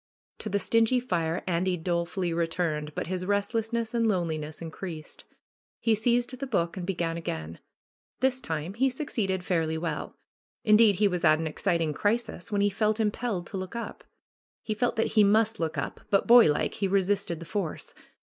To the stingy fire Andy dolefully returned, but his restlessness and loneliness increased. He seized the book and began again. This time he succeeded fairly well. Indeed he was at an exciting crisis, when he felt im pelled to look up. He felt that he must look up, but boylike he resisted the force.